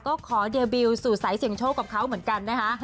ก็ขอเดบิลสู่สายเสี่ยงโชคกับเขาเหมือนกันนะคะ